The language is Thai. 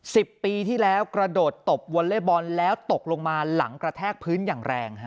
สิบปีที่แล้วกระโดดตบวอลเล่บอลแล้วตกลงมาหลังกระแทกพื้นอย่างแรงฮะ